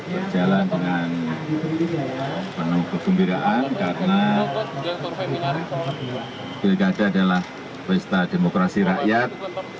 berjalan dengan penuh kegembiraan karena pilkada adalah pesta demokrasi rakyat